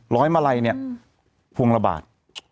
ร้อยมาลัยเนี่ยพวงละบาท